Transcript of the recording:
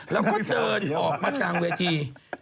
แล้วก็เดินออกมากลางเวที